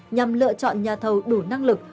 nhằm lựa chọn nhà thầu đủ năng lực